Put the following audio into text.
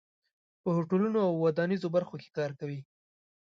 په هوټلونو او ودانیزو برخو کې کار کوي.